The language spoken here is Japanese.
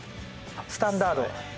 スタンダードで。